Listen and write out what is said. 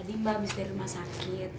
tadi mbak habis dari rumah sakit